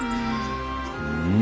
うん。